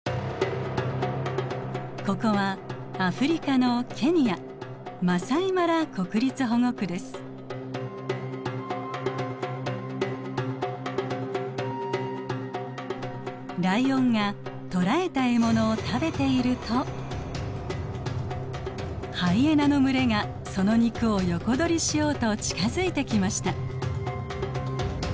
ここはアフリカのライオンが捕らえた獲物を食べているとハイエナの群れがその肉を横取りしようと近づいてきました。